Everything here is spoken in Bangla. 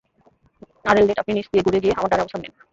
আরএল ডেট, আপনি নিচ দিয়ে ঘুরে গিয়ে আমার ডানে অবস্থান নিন।